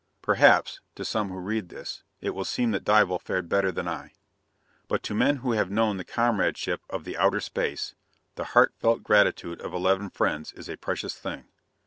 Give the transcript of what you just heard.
"_ Perhaps, to some who read this, it will seem that Dival fared better than I. But to men who have known the comradeship of the outer space, the heart felt gratitude of eleven friends is a precious thing.